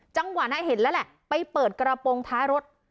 จังหวะนั้นเห็นแล้วแหละไปเปิดกระโปรงท้ายรถ